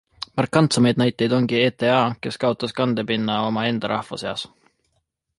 Markantsemaid näiteid ongi ETA, kes kaotas kandepinna oma enda rahva seas.